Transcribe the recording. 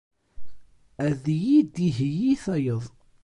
Ad iyi-d-iheyyi tayeḍ.